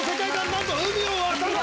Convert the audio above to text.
なんと海を渡った。